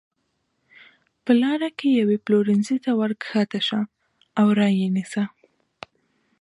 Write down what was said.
په لاره کې یوې پلورنځۍ ته ورکښته شه او را یې نیسه.